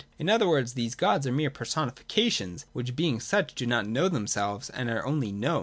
In other words, these gods are mere personifications, which, being such, do not know themselves, and are only known.